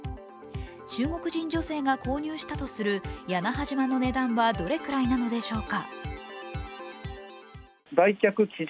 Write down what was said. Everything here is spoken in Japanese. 中国人女性が購入したとする屋那覇島の値段はどれくらいなのでしょうか。